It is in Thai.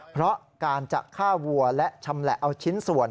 เพราะการจะฆ่าวัวและชำแหละเอาชิ้นส่วน